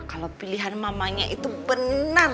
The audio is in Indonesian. kalau pilihan mamanya itu benar